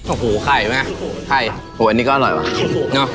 โอ้โหไข่ไหมไข่โอ้โหอันนี้ก็อร่อยวะเนอะ